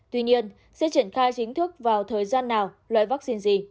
tuy nhiên sẽ triển khai chính thức vào thời gian nào loại vắc xin gì